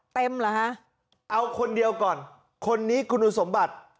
เหรอฮะเอาคนเดียวก่อนคนนี้คุณสมบัติ